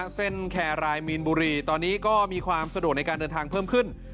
แครรายมีนบุรีตอนนี้ก็มีความสะดวกในการเดินทางเพิ่มขึ้น